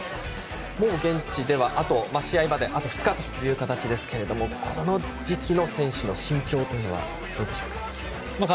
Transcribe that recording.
現地では試合まであと２日ですがこの時期の選手の心境というのはどうでしょうか。